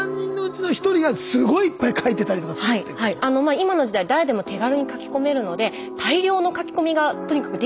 今の時代誰でも手軽に書き込めるので大量の書き込みがとにかくできちゃうんですね